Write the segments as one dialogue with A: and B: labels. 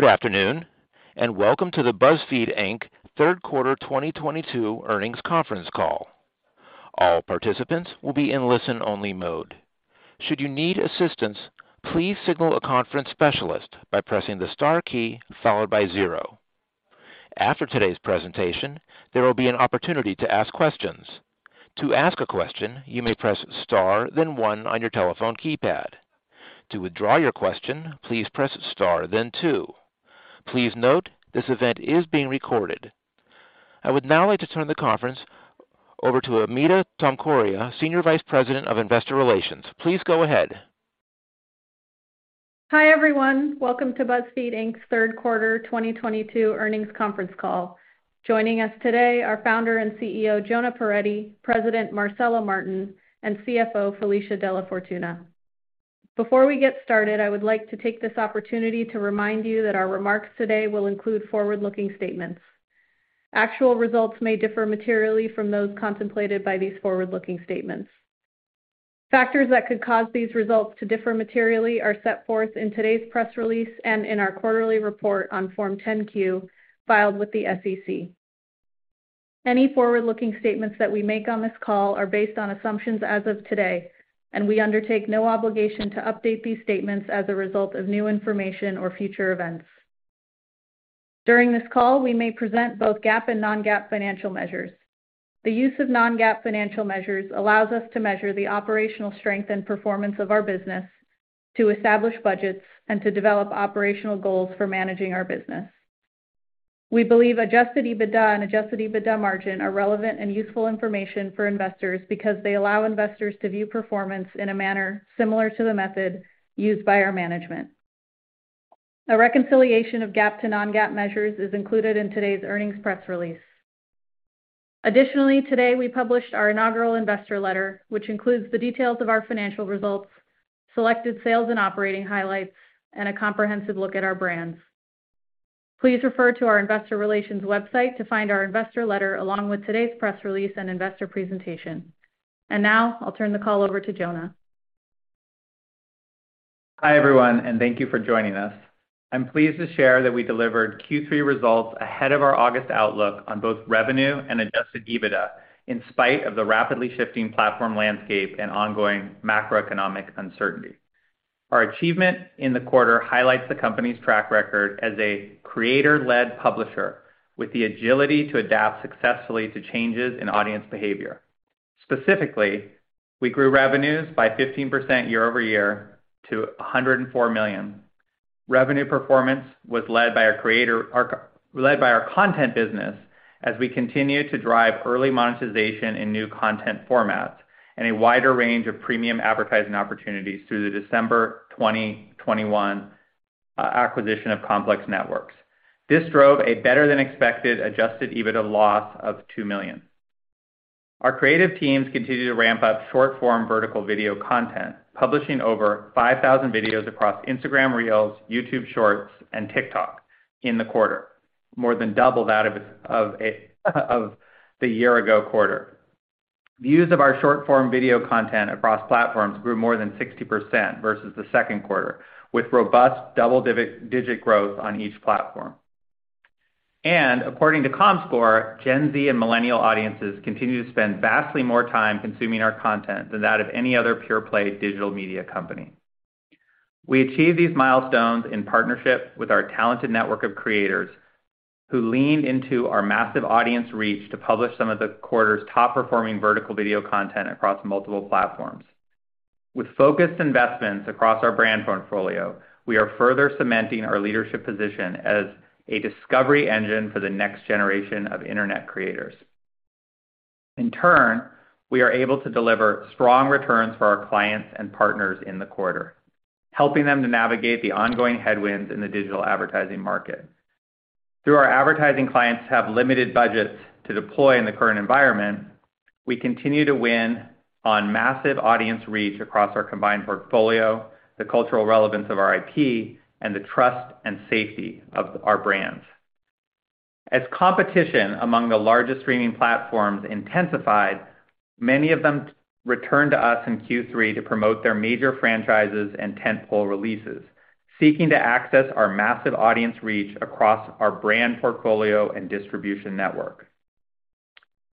A: Good afternoon, and welcome to the BuzzFeed Inc. Third Quarter 2022 Earnings Conference Call. All participants will be in listen-only mode. Should you need assistance, please signal a conference specialist by pressing the star key followed by zero. After today's presentation, there will be an opportunity to ask questions. To ask a question, you may press star then one on your telephone keypad. To withdraw your question, please press star then two. Please note this event is being recorded. I would now like to turn the conference over to Amita Tomkoria, Senior Vice President of Investor Relations. Please go ahead.
B: Hi, everyone. Welcome to BuzzFeed Inc.'s Third Quarter 2022 Earnings Conference Call. Joining us today are founder and CEO, Jonah Peretti, President Marcela Martin, and CFO Felicia DellaFortuna. Before we get started, I would like to take this opportunity to remind you that our remarks today will include forward-looking statements. Actual results may differ materially from those contemplated by these forward-looking statements. Factors that could cause these results to differ materially are set forth in today's press release and in our quarterly report on Form 10-Q filed with the SEC. Any forward-looking statements that we make on this call are based on assumptions as of today, and we undertake no obligation to update these statements as a result of new information or future events. During this call, we may present both GAAP and non-GAAP financial measures. The use of non-GAAP financial measures allows us to measure the operational strength and performance of our business, to establish budgets and to develop operational goals for managing our business. We believe adjusted EBITDA and adjusted EBITDA margin are relevant and useful information for investors because they allow investors to view performance in a manner similar to the method used by our management. A reconciliation of GAAP to non-GAAP measures is included in today's earnings press release. Additionally, today we published our inaugural investor letter, which includes the details of our financial results, selected sales and operating highlights and a comprehensive look at our brands. Please refer to our investor relations website to find our investor letter along with today's press release and investor presentation. Now I'll turn the call over to Jonah.
C: Hi, everyone, and thank you for joining us. I'm pleased to share that we delivered Q3 results ahead of our August outlook on both revenue and adjusted EBITDA in spite of the rapidly shifting platform landscape and ongoing macroeconomic uncertainty. Our achievement in the quarter highlights the company's track record as a creator-led publisher with the agility to adapt successfully to changes in audience behavior. Specifically, we grew revenues by 15% year-over-year to $104 million. Revenue performance was led by our content business as we continue to drive early monetization in new content formats and a wider range of premium advertising opportunities through the December 2021 acquisition of Complex Networks. This drove a better than expected adjusted EBITDA loss of $2 million. Our creative teams continue to ramp up short-form vertical video content, publishing over 5,000 videos across Instagram Reels, YouTube Shorts, and TikTok in the quarter, more than double that of the year ago quarter. Views of our short-form video content across platforms grew more than 60% versus the second quarter, with robust double-digit growth on each platform. According to Comscore, Gen Z and millennial audiences continue to spend vastly more time consuming our content than that of any other pure-play digital media company. We achieve these milestones in partnership with our talented network of creators who leaned into our massive audience reach to publish some of the quarter's top-performing vertical video content across multiple platforms. With focused investments across our brand portfolio, we are further cementing our leadership position as a discovery engine for the next generation of internet creators. In turn, we are able to deliver strong returns for our clients and partners in the quarter, helping them to navigate the ongoing headwinds in the digital advertising market. Though our advertising clients have limited budgets to deploy in the current environment, we continue to win on massive audience reach across our combined portfolio, the cultural relevance of our IP, and the trust and safety of our brands. As competition among the largest streaming platforms intensified, many of them returned to us in Q3 to promote their major franchises and tentpole releases, seeking to access our massive audience reach across our brand portfolio and distribution network.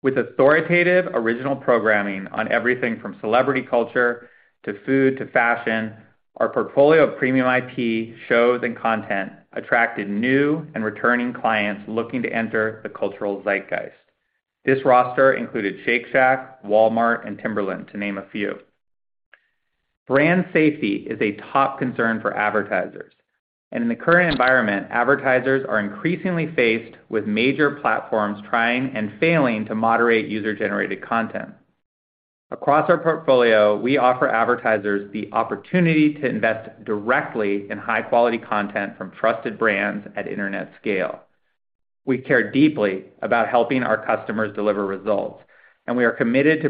C: With authoritative original programming on everything from celebrity culture to food to fashion, our portfolio of premium IP, shows and content attracted new and returning clients looking to enter the cultural zeitgeist. This roster included Shake Shack, Walmart and Timberland, to name a few. Brand safety is a top concern for advertisers. In the current environment, advertisers are increasingly faced with major platforms trying and failing to moderate user-generated content. Across our portfolio, we offer advertisers the opportunity to invest directly in high-quality content from trusted brands at internet scale. We care deeply about helping our customers deliver results, and we are committed to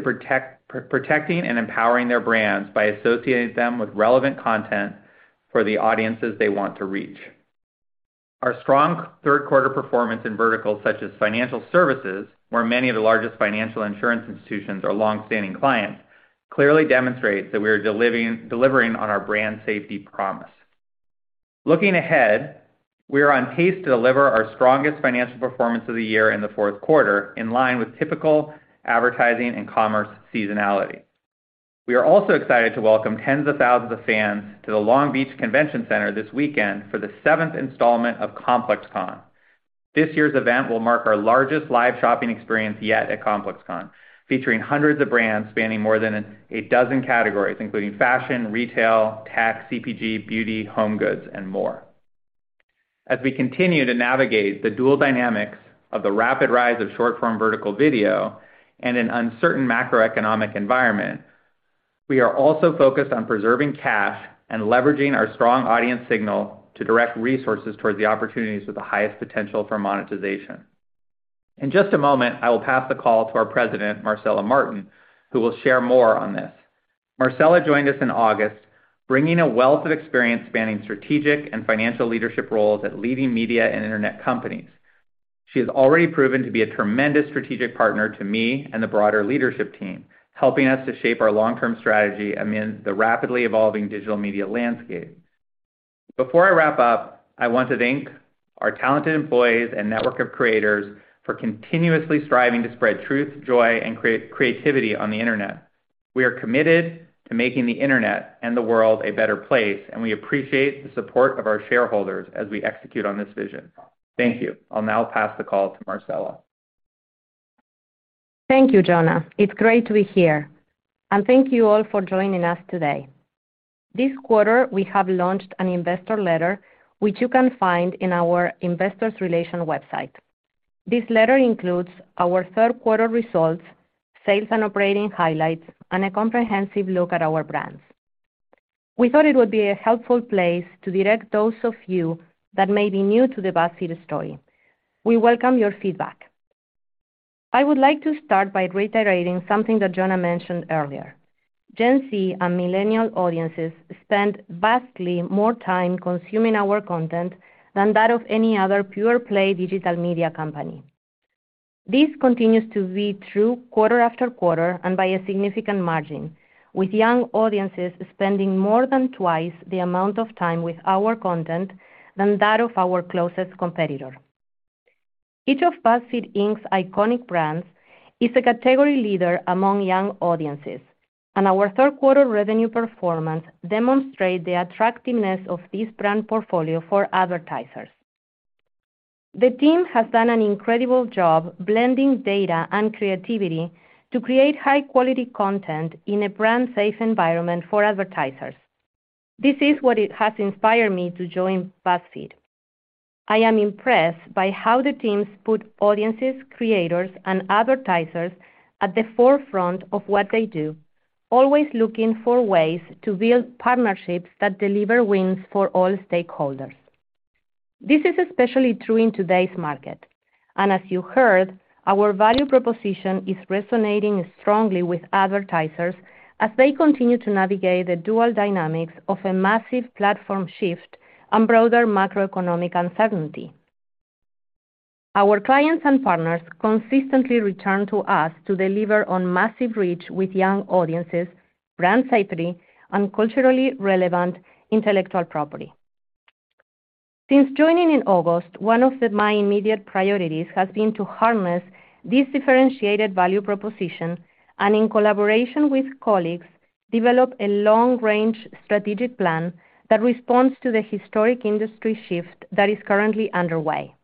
C: protecting and empowering their brands by associating them with relevant content for the audiences they want to reach. Our strong third quarter performance in verticals such as financial services, where many of the largest financial insurance institutions are longstanding clients, clearly demonstrates that we are delivering on our brand safety promise. Looking ahead, we are on pace to deliver our strongest financial performance of the year in the fourth quarter, in line with typical advertising and commerce seasonality. We are also excited to welcome tens of thousands of fans to the Long Beach Convention Center this weekend for the seventh installment of ComplexCon. This year's event will mark our largest live shopping experience yet at ComplexCon, featuring hundreds of brands spanning more than a dozen categories, including fashion, retail, tech, CPG, beauty, home goods, and more. As we continue to navigate the dual dynamics of the rapid rise of short form vertical video and an uncertain macroeconomic environment, we are also focused on preserving cash and leveraging our strong audience signal to direct resources towards the opportunities with the highest potential for monetization. In just a moment, I will pass the call to our president, Marcela Martin, who will share more on this. Marcela joined us in August, bringing a wealth of experience spanning strategic and financial leadership roles at leading media and internet companies. She has already proven to be a tremendous strategic partner to me and the broader leadership team, helping us to shape our long term strategy amidst the rapidly evolving digital media landscape. Before I wrap up, I want to thank our talented employees and network of creators for continuously striving to spread truth, joy, and creativity on the Internet. We are committed to making the Internet and the world a better place, and we appreciate the support of our shareholders as we execute on this vision. Thank you. I'll now pass the call to Marcela.
D: Thank you, Jonah. It's great to be here. Thank you all for joining us today. This quarter, we have launched an investor letter which you can find in our investor relations website. This letter includes our third quarter results, sales and operating highlights, and a comprehensive look at our brands. We thought it would be a helpful place to direct those of you that may be new to the BuzzFeed story. We welcome your feedback. I would like to start by reiterating something that Jonah mentioned earlier. Gen Z and millennial audiences spend vastly more time consuming our content than that of any other pure play digital media company. This continues to be true quarter after quarter and by a significant margin, with young audiences spending more than twice the amount of time with our content than that of our closest competitor. Each of BuzzFeed Inc.'s iconic brands is a category leader among young audiences, and our third quarter revenue performance demonstrate the attractiveness of this brand portfolio for advertisers. The team has done an incredible job blending data and creativity to create high quality content in a brand safe environment for advertisers. This is what it has inspired me to join BuzzFeed. I am impressed by how the teams put audiences, creators, and advertisers at the forefront of what they do, always looking for ways to build partnerships that deliver wins for all stakeholders. This is especially true in today's market, and as you heard, our value proposition is resonating strongly with advertisers as they continue to navigate the dual dynamics of a massive platform shift and broader macroeconomic uncertainty. Our clients and partners consistently return to us to deliver on massive reach with young audiences, brand safety, and culturally relevant intellectual property. Since joining in August, one of my immediate priorities has been to harness this differentiated value proposition and in collaboration with colleagues, develop a long-range strategic plan that responds to the historic industry shift that is currently underway.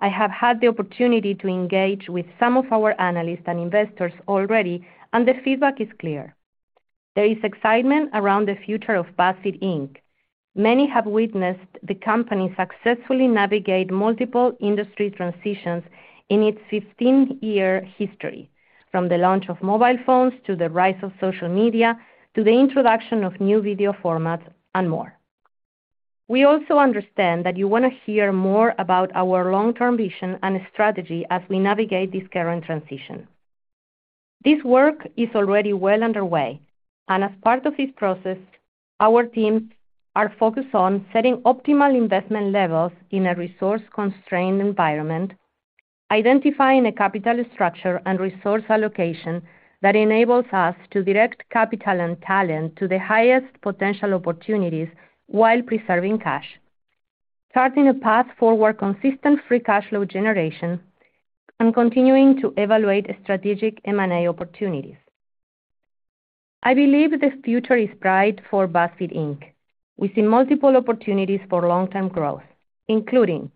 D: I have had the opportunity to engage with some of our analysts and investors already, and the feedback is clear. There is excitement around the future of BuzzFeed Inc. Many have witnessed the company successfully navigate multiple industry transitions in its 15-year history, from the launch of mobile phones to the rise of social media, to the introduction of new video formats and more. We also understand that you wanna hear more about our long-term vision and strategy as we navigate this current transition. This work is already well underway, and as part of this process, our teams are focused on setting optimal investment levels in a resource-constrained environment, identifying a capital structure and resource allocation that enables us to direct capital and talent to the highest potential opportunities while preserving cash, charting a path for more consistent free cash flow generation, and continuing to evaluate strategic M&A opportunities. I believe the future is bright for BuzzFeed Inc. We see multiple opportunities for long-term growth, including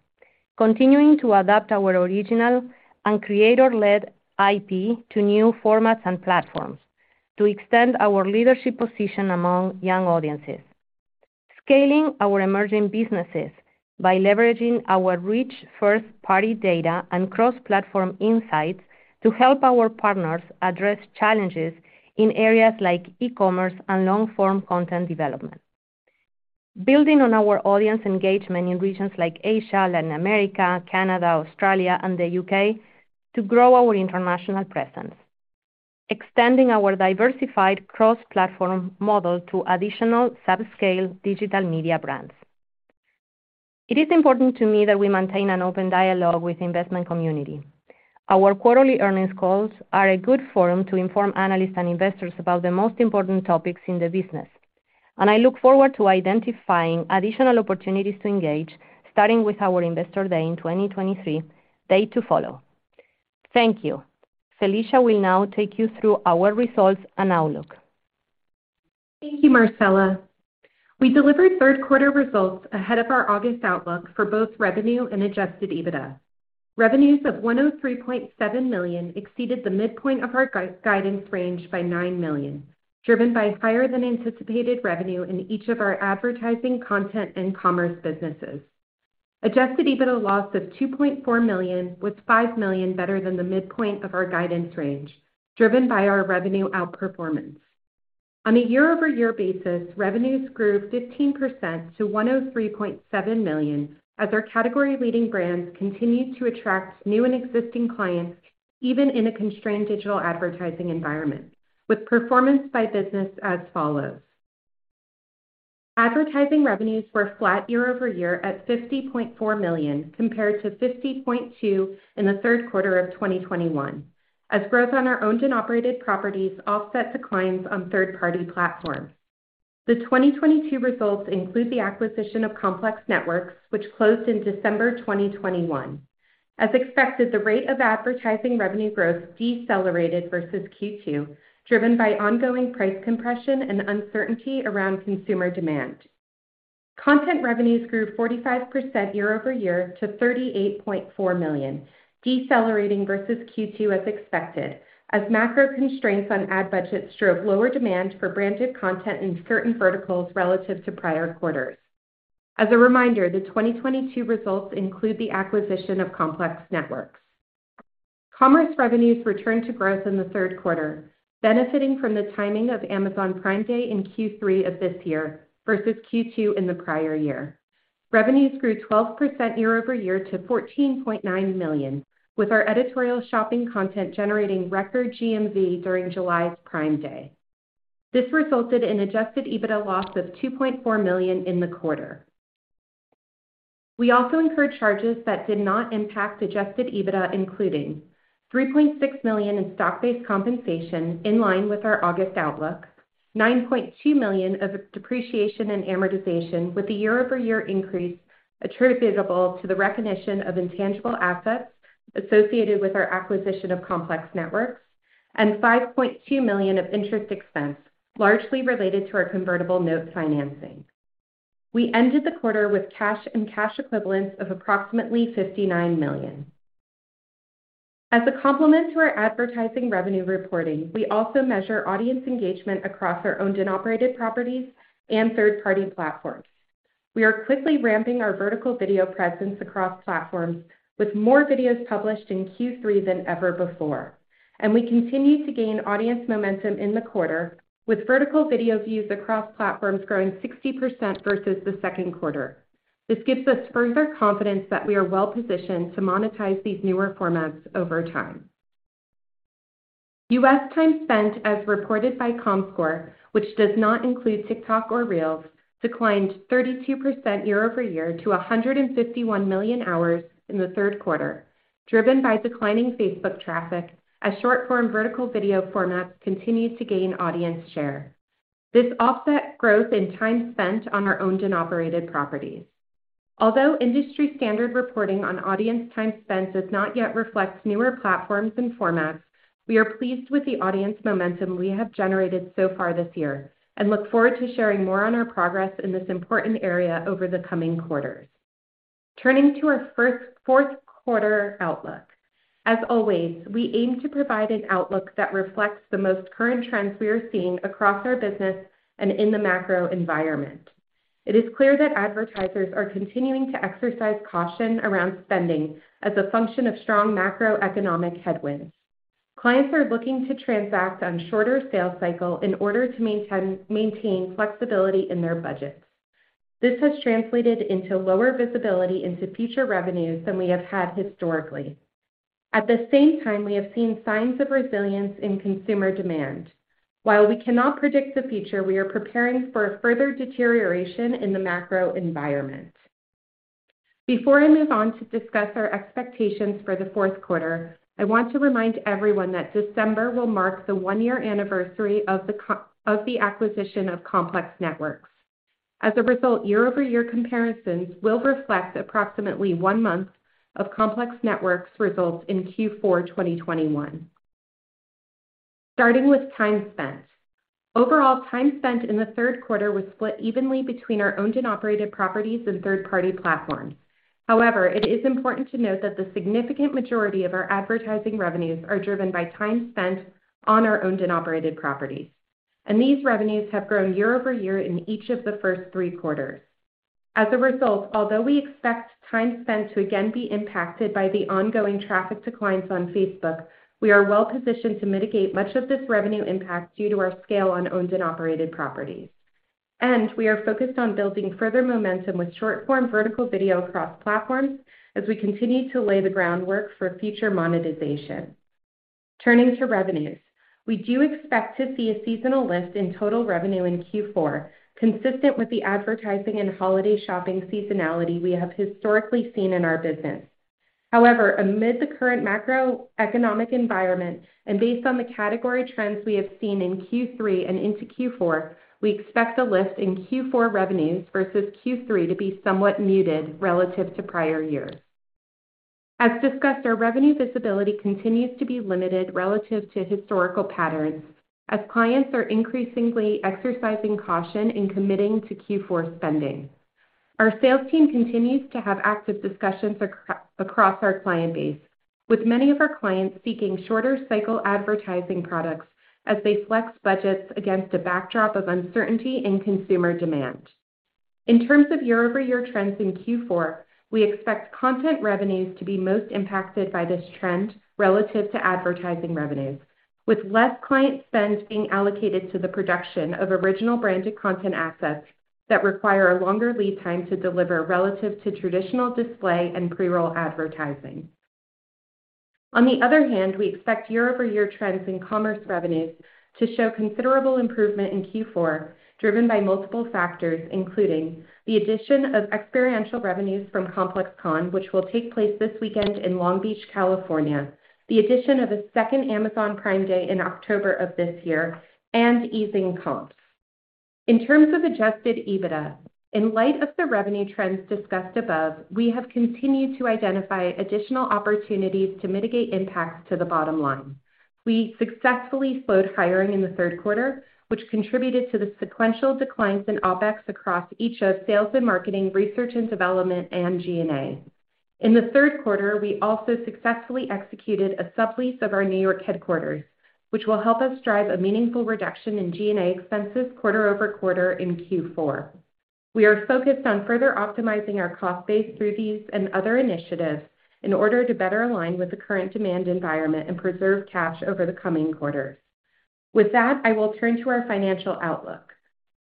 D: continuing to adapt our original and creator-led IP to new formats and platforms to extend our leadership position among young audiences. Scaling our emerging businesses by leveraging our rich first-party data and cross-platform insights to help our partners address challenges in areas like e-commerce and long-form content development. Building on our audience engagement in regions like Asia, Latin America, Canada, Australia, and the U.K. to grow our international presence. Extending our diversified cross-platform model to additional subscale digital media brands. It is important to me that we maintain an open dialogue with investment community. Our quarterly earnings calls are a good forum to inform analysts and investors about the most important topics in the business, and I look forward to identifying additional opportunities to engage, starting with our Investor Day in 2023, date to follow. Thank you. Felicia will now take you through our results and outlook.
E: Thank you, Marcela. We delivered third quarter results ahead of our August outlook for both revenue and adjusted EBITDA. Revenues of $103.7 million exceeded the midpoint of our guidance range by $9 million, driven by higher than anticipated revenue in each of our advertising, content, and commerce businesses. Adjusted EBITDA loss of $2.4 million was $5 million better than the midpoint of our guidance range, driven by our revenue outperformance. On a year-over-year basis, revenues grew 15% to $103.7 million as our category-leading brands continued to attract new and existing clients, even in a constrained digital advertising environment, with performance by business as follows. Advertising revenues were flat year-over-year at $50.4 million compared to $50.2 million in the third quarter of 2021, as growth on our owned and operated properties offset declines on third-party platforms. The 2022 results include the acquisition of Complex Networks, which closed in December 2021. As expected, the rate of advertising revenue growth decelerated versus Q2, driven by ongoing price compression and uncertainty around consumer demand. Content revenues grew 45% year-over-year to $38.4 million, decelerating versus Q2 as expected, as macro constraints on ad budgets drove lower demand for branded content in certain verticals relative to prior quarters. As a reminder, the 2022 results include the acquisition of Complex Networks. Commerce revenues returned to growth in the third quarter, benefiting from the timing of Amazon Prime Day in Q3 of this year versus Q2 in the prior year. Revenues grew 12% year-over-year to $14.9 million, with our editorial shopping content generating record GMV during July's Prime Day. This resulted in adjusted EBITDA loss of $2.4 million in the quarter. We also incurred charges that did not impact adjusted EBITDA, including $3.6 million in stock-based compensation in line with our August outlook, $9.2 million of depreciation and amortization with the year-over-year increase attributable to the recognition of intangible assets associated with our acquisition of Complex Networks, and $5.2 million of interest expense, largely related to our convertible note financing. We ended the quarter with cash and cash equivalents of approximately $59 million. As a complement to our advertising revenue reporting, we also measure audience engagement across our owned and operated properties and third-party platforms. We are quickly ramping our vertical video presence across platforms with more videos published in Q3 than ever before, and we continue to gain audience momentum in the quarter, with vertical video views across platforms growing 60% versus the second quarter. This gives us further confidence that we are well-positioned to monetize these newer formats over time. U.S. time spent as reported by Comscore, which does not include TikTok or Reels, declined 32% year-over-year to 151 million hours in the third quarter, driven by declining Facebook traffic as short-form vertical video formats continued to gain audience share. This offset growth in time spent on our owned and operated properties. Although industry standard reporting on audience time spent does not yet reflect newer platforms and formats, we are pleased with the audience momentum we have generated so far this year, and look forward to sharing more on our progress in this important area over the coming quarters. Turning to our fourth quarter outlook. As always, we aim to provide an outlook that reflects the most current trends we are seeing across our business and in the macro environment. It is clear that advertisers are continuing to exercise caution around spending as a function of strong macroeconomic headwinds. Clients are looking to transact on shorter sales cycle in order to maintain flexibility in their budgets. This has translated into lower visibility into future revenues than we have had historically. At the same time, we have seen signs of resilience in consumer demand. While we cannot predict the future, we are preparing for a further deterioration in the macro environment. Before I move on to discuss our expectations for the fourth quarter, I want to remind everyone that December will mark the one-year anniversary of the acquisition of Complex Networks. As a result, year-over-year comparisons will reflect approximately one month of Complex Networks results in Q4 2021. Starting with time spent. Overall, time spent in the third quarter was split evenly between our owned and operated properties and third-party platforms. However, it is important to note that the significant majority of our advertising revenues are driven by time spent on our owned and operated properties. These revenues have grown year-over-year in each of the first three quarters. As a result, although we expect time spent to again be impacted by the ongoing traffic declines on Facebook, we are well-positioned to mitigate much of this revenue impact due to our scale on owned and operated properties. We are focused on building further momentum with short-form vertical video across platforms as we continue to lay the groundwork for future monetization. Turning to revenues. We do expect to see a seasonal lift in total revenue in Q4, consistent with the advertising and holiday shopping seasonality we have historically seen in our business. However, amid the current macroeconomic environment and based on the category trends we have seen in Q3 and into Q4, we expect a lift in Q4 revenues versus Q3 to be somewhat muted relative to prior years. As discussed, our revenue visibility continues to be limited relative to historical patterns as clients are increasingly exercising caution in committing to Q4 spending. Our sales team continues to have active discussions across our client base, with many of our clients seeking shorter cycle advertising products as they flex budgets against a backdrop of uncertainty in consumer demand. In terms of year-over-year trends in Q4, we expect content revenues to be most impacted by this trend relative to advertising revenues, with less client spend being allocated to the production of original branded content assets that require a longer lead time to deliver relative to traditional display and pre-roll advertising. On the other hand, we expect year-over-year trends in commerce revenues to show considerable improvement in Q4, driven by multiple factors, including the addition of experiential revenues from ComplexCon, which will take place this weekend in Long Beach, California, the addition of a second Amazon Prime Day in October of this year, and easing comps. In terms of adjusted EBITDA, in light of the revenue trends discussed above, we have continued to identify additional opportunities to mitigate impacts to the bottom line. We successfully slowed hiring in the third quarter, which contributed to the sequential declines in OpEx across each of sales and marketing, research and development, and G&A. In the third quarter, we also successfully executed a sublease of our New York headquarters, which will help us drive a meaningful reduction in G&A expenses quarter-over-quarter in Q4. We are focused on further optimizing our cost base through these and other initiatives in order to better align with the current demand environment and preserve cash over the coming quarters. With that, I will turn to our financial outlook.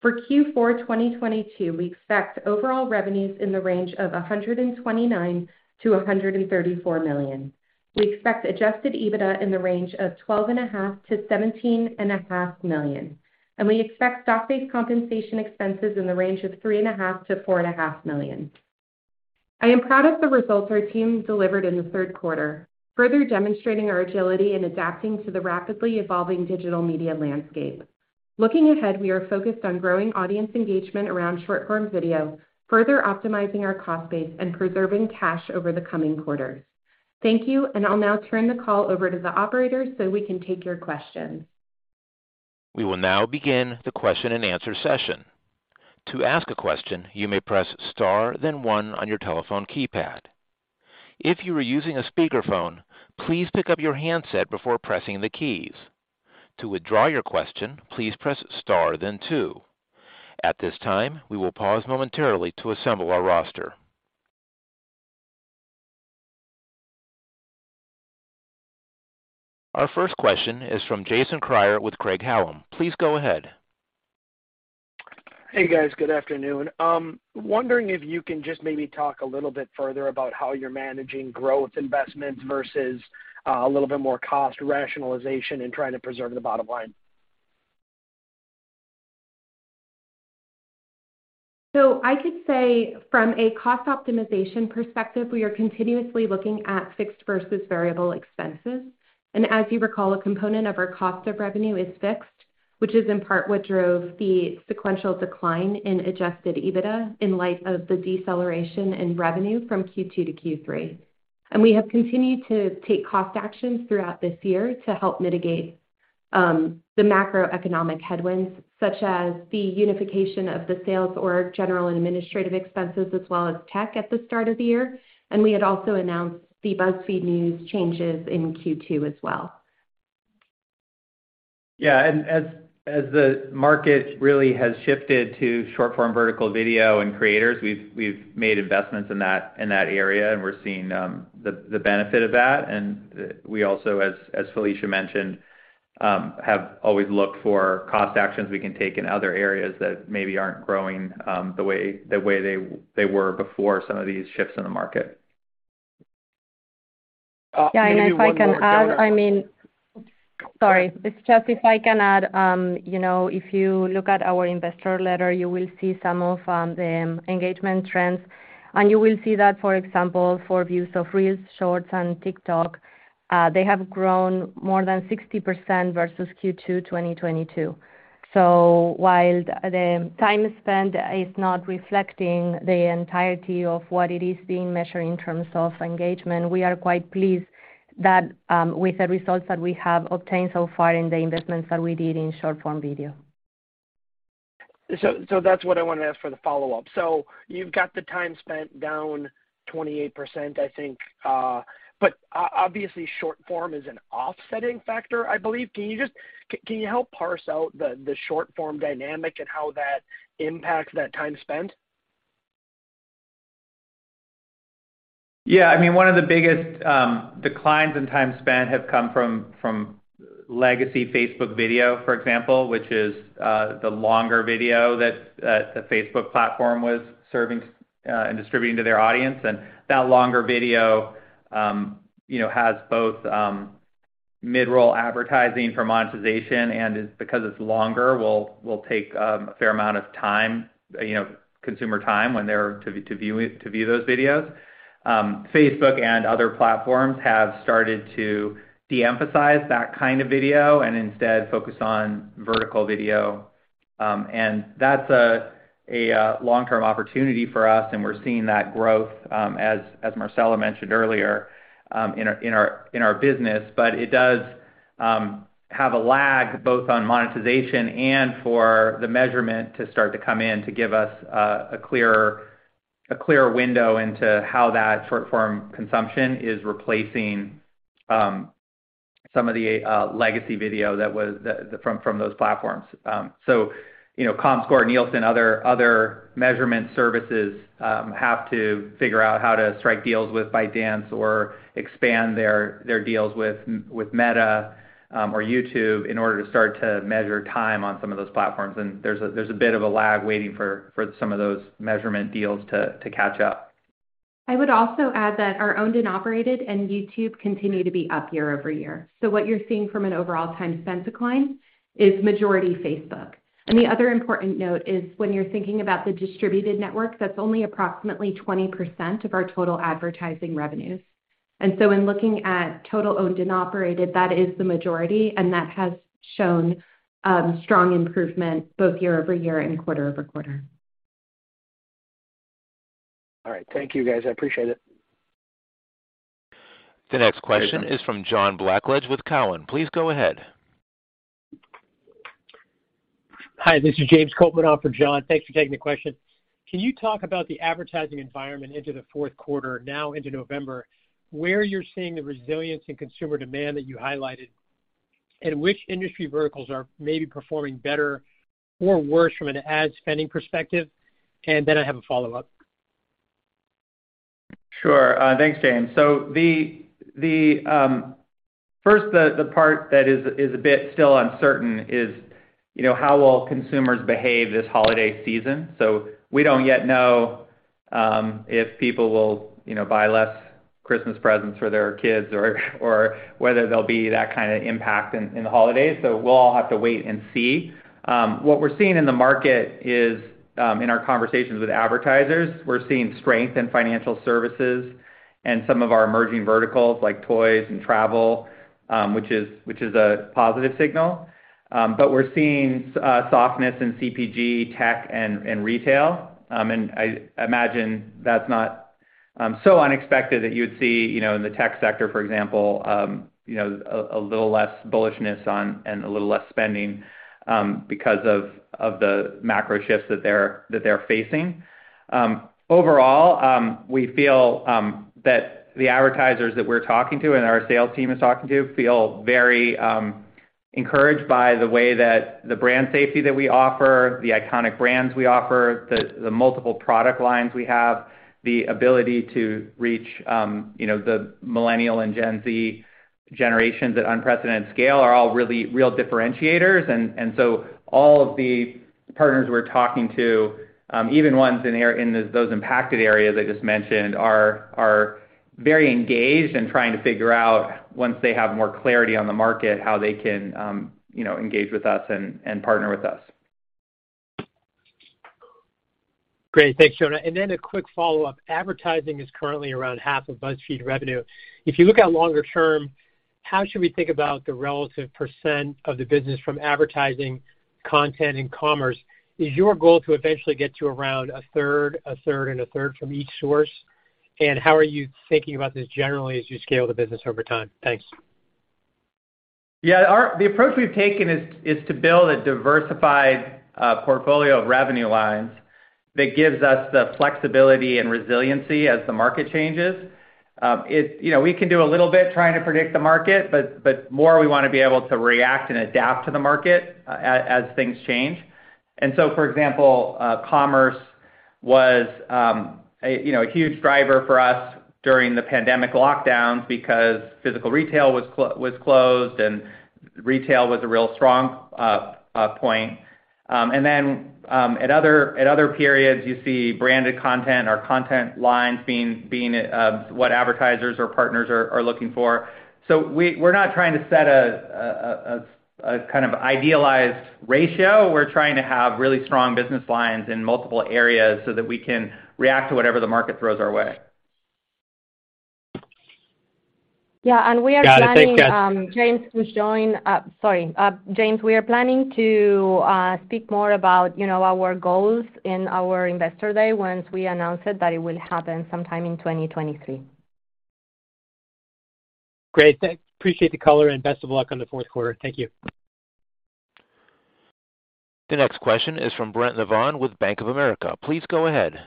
E: For Q4 2022, we expect overall revenues in the range of $129 million-$134 million. We expect adjusted EBITDA in the range of $12.5 million-$17.5 million. We expect stock-based compensation expenses in the range of $3.5 million-$4.5 million. I am proud of the results our team delivered in the third quarter, further demonstrating our agility in adapting to the rapidly evolving digital media landscape. Looking ahead, we are focused on growing audience engagement around short-form video, further optimizing our cost base, and preserving cash over the coming quarters. Thank you, and I'll now turn the call over to the operator so we can take your questions.
A: We will now begin the question and answer session. To ask a question, you may press star then one on your telephone keypad. If you are using a speakerphone, please pick up your handset before pressing the keys. To withdraw your question, please press star then two. At this time, we will pause momentarily to assemble our roster. Our first question is from Jason Kreyer with Craig-Hallum. Please go ahead.
F: Hey, guys. Good afternoon. Wondering if you can just maybe talk a little bit further about how you're managing growth investments versus a little bit more cost rationalization in trying to preserve the bottom line.
E: I could say from a cost optimization perspective, we are continuously looking at fixed versus variable expenses. As you recall, a component of our cost of revenue is fixed, which is in part what drove the sequential decline in adjusted EBITDA in light of the deceleration in revenue from Q2 to Q3. We have continued to take cost actions throughout this year to help mitigate the macroeconomic headwinds, such as the unification of the sales, general and administrative expenses, as well as tech at the start of the year. We had also announced the BuzzFeed News changes in Q2 as well.
C: Yeah. As the market really has shifted to short-form vertical video and creators, we've made investments in that area, and we're seeing the benefit of that. We also, as Felicia mentioned, have always looked for cost actions we can take in other areas that maybe aren't growing the way they were before some of these shifts in the market.
F: Maybe one more.
D: If I can add, you know, if you look at our investor letter, you will see some of the engagement trends, and you will see that, for example, for views of Reels, Shorts, and TikTok, they have grown more than 60% versus Q2 2022. While the time spent is not reflecting the entirety of what it is being measured in terms of engagement, we are quite pleased with the results that we have obtained so far in the investments that we did in short-form video.
F: That's what I wanna ask for the follow-up. You've got the time spent down 28%, I think. Obviously, short form is an offsetting factor, I believe. Can you help parse out the short-form dynamic and how that impacts that time spent?
C: Yeah. I mean, one of the biggest declines in time spent have come from legacy Facebook video, for example, which is the longer video that the Facebook platform was serving and distributing to their audience. That longer video, you know, has both mid-roll advertising for monetization and it's because it's longer, will take a fair amount of time, you know, consumer time when they view those videos. Facebook and other platforms have started to de-emphasize that kind of video and instead focus on vertical video. That's a long-term opportunity for us, and we're seeing that growth, as Marcela mentioned earlier, in our business. It does have a lag both on monetization and for the measurement to start to come in to give us a clearer window into how that short-form consumption is replacing some of the legacy video from those platforms. You know, Comscore, Nielsen, other measurement services have to figure out how to strike deals with ByteDance or expand their deals with Meta or YouTube in order to start to measure time on some of those platforms. There's a bit of a lag waiting for some of those measurement deals to catch up.
E: I would also add that our owned and operated and YouTube continue to be up year-over-year. What you're seeing from an overall time spent decline is majority Facebook. The other important note is when you're thinking about the distributed network, that's only approximately 20% of our total advertising revenues. In looking at total owned and operated, that is the majority, and that has shown strong improvement both year-over-year and quarter-over-quarter.
F: All right. Thank you, guys. I appreciate it.
A: The next question is from John Blackledge with Cowen. Please go ahead.
G: Hi, this is James Kopelman on for John. Thanks for taking the question. Can you talk about the advertising environment into the fourth quarter, now into November, where you're seeing the resilience in consumer demand that you highlighted, and which industry verticals are maybe performing better or worse from an ad spending perspective? I have a follow-up.
C: Sure. Thanks, James. The first part that is a bit still uncertain is, you know, how will consumers behave this holiday season. We don't yet know if people will, you know, buy less Christmas presents for their kids or whether there'll be that kind of impact in the holidays. We'll all have to wait and see. What we're seeing in the market is, in our conversations with advertisers, we're seeing strength in financial services and some of our emerging verticals like toys and travel, which is a positive signal. We're seeing softness in CPG, tech and retail. I imagine that's not so unexpected that you would see, you know, in the tech sector, for example, you know, a little less bullishness and a little less spending, because of the macro shifts that they're facing. Overall, we feel that the advertisers that we're talking to and our sales team is talking to feel very encouraged by the way that the brand safety that we offer, the iconic brands we offer, the multiple product lines we have, the ability to reach, you know, the Millennial and Gen Z generations at unprecedented scale are all really real differentiators. All of the partners we're talking to, even ones in those impacted areas I just mentioned, are very engaged in trying to figure out, once they have more clarity on the market, how they can, you know, engage with us and partner with us.
G: Great. Thanks, Jonah. A quick follow-up. Advertising is currently around half of BuzzFeed revenue. If you look out longer term, how should we think about the relative percent of the business from advertising, content, and commerce? Is your goal to eventually get to around a third, a third, and a third from each source? How are you thinking about this generally as you scale the business over time? Thanks.
C: Yeah. Our approach we've taken is to build a diversified portfolio of revenue lines that gives us the flexibility and resiliency as the market changes. You know, we can do a little bit trying to predict the market, but more we wanna be able to react and adapt to the market as things change. For example, commerce was a huge driver for us during the pandemic lockdowns because physical retail was closed and retail was a real strong point. At other periods, you see branded content, our content lines being what advertisers or partners are looking for. We're not trying to set a kind of idealized ratio. We're trying to have really strong business lines in multiple areas so that we can react to whatever the market throws our way.
E: James, we are planning to speak more about, you know, our goals in our Investor Day once we announce it, that it will happen sometime in 2023.
G: Great. Thanks, appreciate the color, and best of luck on the fourth quarter. Thank you.
A: The next question is from Brent Navon with Bank of America. Please go ahead.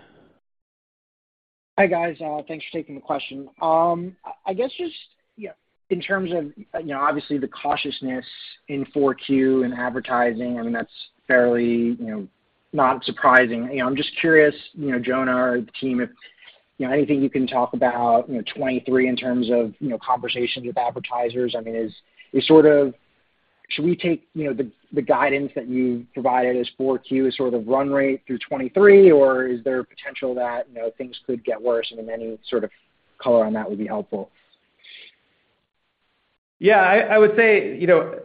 H: Hi, guys. Thanks for taking the question. I guess just, you know, in terms of, you know, obviously the cautiousness in Q4 in advertising, I mean, that's fairly, you know, not surprising. You know, I'm just curious, you know, Jonah or the team, if, you know, anything you can talk about, you know, 2023 in terms of, you know, conversations with advertisers. I mean, should we take, you know, the guidance that you provided as Q4 as sort of run rate through 2023? Or is there potential that, you know, things could get worse and any sort of color on that would be helpful.
C: Yeah, I would say, you know,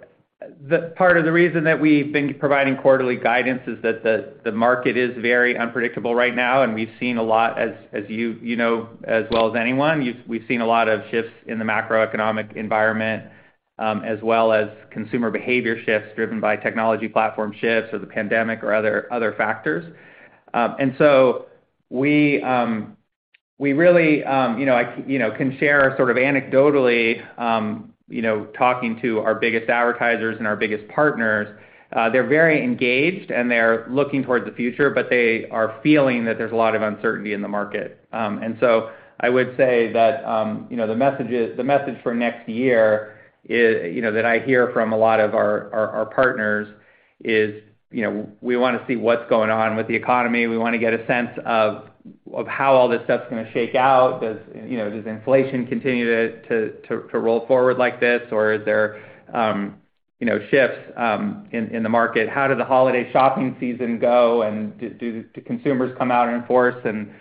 C: the part of the reason that we've been providing quarterly guidance is that the market is very unpredictable right now, and we've seen a lot as you know, as well as anyone, we've seen a lot of shifts in the macroeconomic environment, as well as consumer behavior shifts driven by technology platform shifts or the pandemic or other factors. We really, you know, can share sort of anecdotally, you know, talking to our biggest advertisers and our biggest partners, they're very engaged, and they're looking towards the future, but they are feeling that there's a lot of uncertainty in the market. I would say that you know, the message for next year is you know, that I hear from a lot of our partners is you know, we wanna see what's going on with the economy. We wanna get a sense of how all this stuff's gonna shake out. You know, does inflation continue to roll forward like this? Or is there you know, shifts in the market? How did the holiday shopping season go? Do consumers come out in force and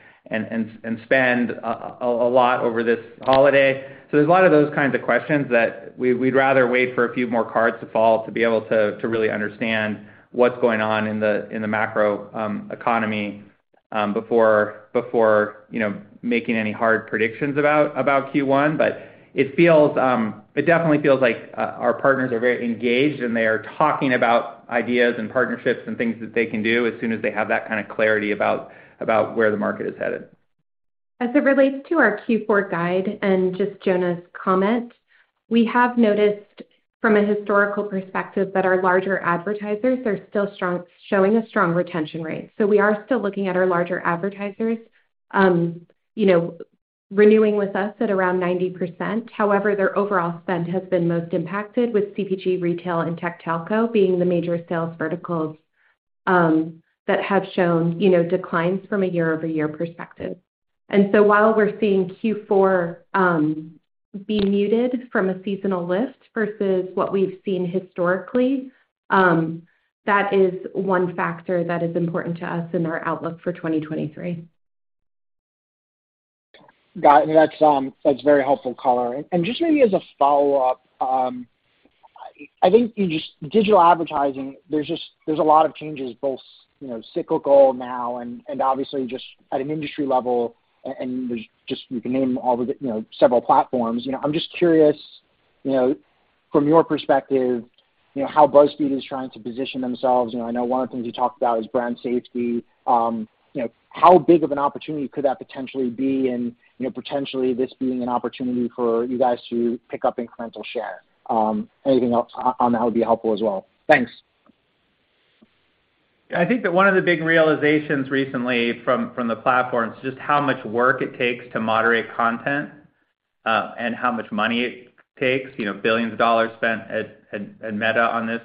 C: spend a lot over this holiday? There's a lot of those kinds of questions that we'd rather wait for a few more cards to fall to be able to really understand what's going on in the macro economy before you know making any hard predictions about Q1. It definitely feels like our partners are very engaged, and they are talking about ideas and partnerships and things that they can do as soon as they have that kind of clarity about where the market is headed.
E: As it relates to our Q4 guide and just Jonah's comment, we have noticed from a historical perspective that our larger advertisers are still strong, showing a strong retention rate. We are still looking at our larger advertisers, you know, renewing with us at around 90%. However, their overall spend has been most impacted with CPG, retail, and tech telco being the major sales verticals, that have shown, you know, declines from a year-over-year perspective. While we're seeing Q4, be muted from a seasonal lift versus what we've seen historically, that is one factor that is important to us in our outlook for 2023.
H: Got it. That's very helpful color. Just maybe as a follow-up, digital advertising, there's a lot of changes, both, you know, cyclical now and obviously just at an industry level. There's just, you can name all the, you know, several platforms. You know, I'm just curious, you know, from your perspective, you know, how BuzzFeed is trying to position themselves. You know, I know one of the things you talked about is brand safety. You know, how big of an opportunity could that potentially be and, you know, potentially this being an opportunity for you guys to pick up incremental share? Anything else on that would be helpful as well. Thanks.
C: I think that one of the big realizations recently from the platform is just how much work it takes to moderate content, and how much money it takes. You know, $ billions spent at Meta on this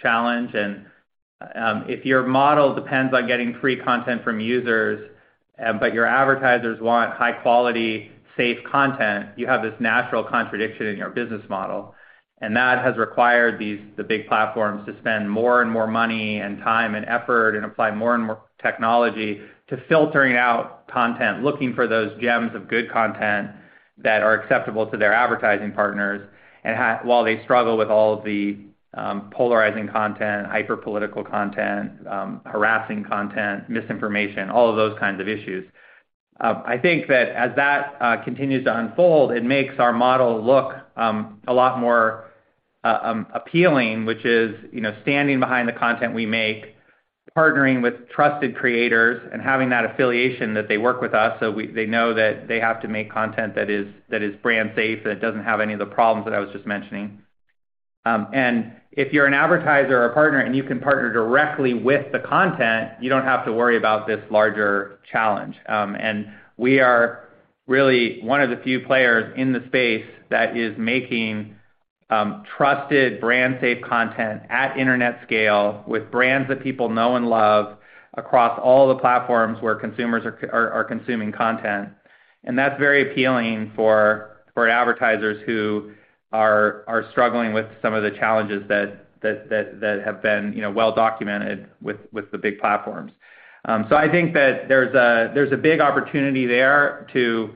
C: challenge. If your model depends on getting free content from users, but your advertisers want high-quality, safe content, you have this natural contradiction in your business model. That has required the big platforms to spend more and more money and time and effort and apply more and more technology to filtering out content, looking for those gems of good content that are acceptable to their advertising partners and while they struggle with all of the polarizing content, hyper-political content, harassing content, misinformation, all of those kinds of issues. I think that as that continues to unfold, it makes our model look a lot more appealing, which is, you know, standing behind the content we make, partnering with trusted creators and having that affiliation that they work with us, so they know that they have to make content that is brand safe, that doesn't have any of the problems that I was just mentioning. If you're an advertiser or partner, and you can partner directly with the content, you don't have to worry about this larger challenge. We are really one of the few players in the space that is making trusted brand safe content at internet scale with brands that people know and love across all the platforms where consumers are consuming content. That's very appealing for advertisers who are struggling with some of the challenges that have been, you know, well documented with the big platforms. I think that there's a big opportunity there to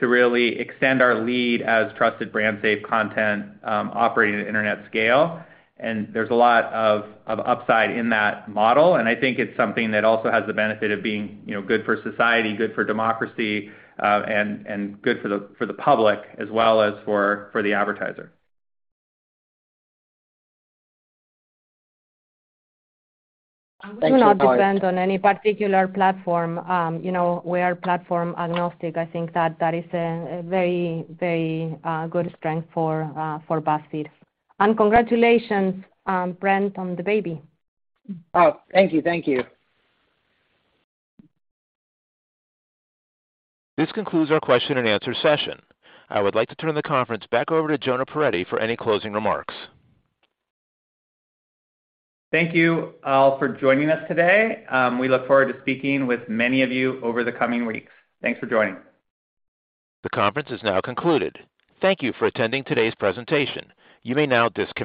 C: really extend our lead as trusted brand safe content, operating at internet scale. There's a lot of upside in that model, and I think it's something that also has the benefit of being, you know, good for society, good for democracy, and good for the public as well as for the advertiser.
H: Thank you.
D: We do not depend on any particular platform. You know, we are platform agnostic. I think that is a very good strength for BuzzFeed. Congratulations, Brent, on the baby.
H: Oh, thank you. Thank you.
A: This concludes our question and answer session. I would like to turn the conference back over to Jonah Peretti for any closing remarks.
C: Thank you all for joining us today. We look forward to speaking with many of you over the coming weeks. Thanks for joining.
A: The conference is now concluded. Thank you for attending today's presentation. You may now disconnect.